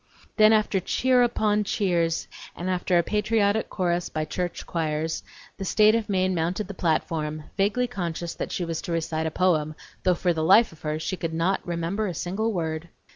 Then after cheers upon cheers and after a patriotic chorus by the church choirs, the State of Maine mounted the platform, vaguely conscious that she was to recite a poem, though for the life of her she could not remember a single word.